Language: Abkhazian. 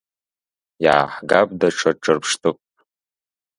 Иааҳгап даҽа ҿырԥштәык…